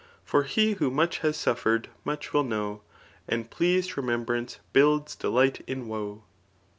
For he ^ho much has sufier'dy much will kAow, ' And pleas'd temembrance builds del%ht in woe.